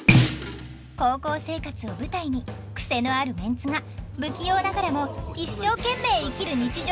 高校生活を舞台にクセのあるメンツが不器用ながらも一生懸命生きる日常をスケッチします！